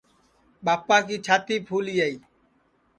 ٻاپا کی چھاتی پُھلیائی